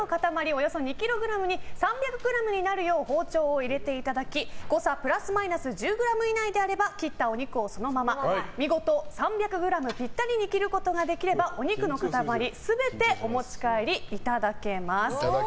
およそ２ｋｇに３００ｇになるよう包丁を入れていただき誤差プラスマイナス１０ｇ以内であれば切ったお肉をそのまま見事３００ｇピッタリに切ることができればお肉の塊全てお持ち帰りいただけます。